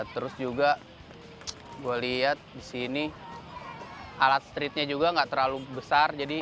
terus juga gue lihat disini alat streetnya juga gak terlalu besar